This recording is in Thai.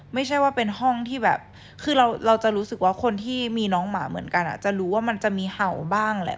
ไม่ใช่ว่าเป็นห้องที่แบบคือเราจะรู้สึกว่าคนที่มีน้องหมาเหมือนกันจะรู้ว่ามันจะมีเห่าบ้างแหละ